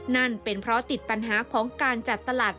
นั่นเป็นเพราะติดปัญหาของการจัดตลาด